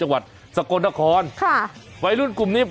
เราก็ต้องมาฝากเตือนกันนะครับ